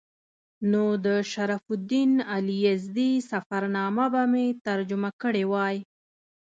نو د شرف الدین علي یزدي ظفرنامه به مې ترجمه کړې وای.